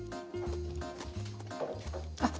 あっ！